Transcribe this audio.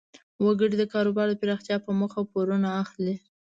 وګړي د کاروبار د پراختیا په موخه پورونه اخلي.